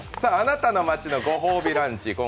「あなたの街のご褒美ランチ」